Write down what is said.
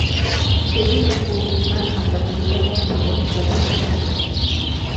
সেদিন ওই বিমান হামলা পরিচালনা ছিল যথেষ্ট ঝুঁকিপূর্ণ।